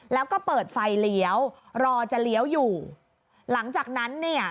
แล้วก็เปิดไฟเลี้ยวรอจะเลี้ยวอยู่หลังจากนั้นเนี่ย